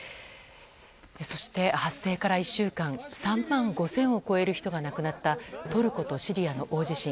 そして、発生から１週間３万５０００を超える人が亡くなったトルコとシリアの大地震。